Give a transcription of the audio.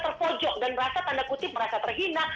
terpojok dan merasa tanda kutip merasa terhina